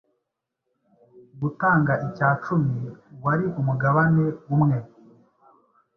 Gutanga icyacumi wari umugabane umwe